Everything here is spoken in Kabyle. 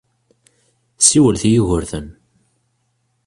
Siwelt i Yugurten.